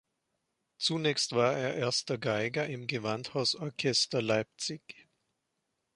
Zunächst war er Erster Geiger im Gewandhausorchester Leipzig.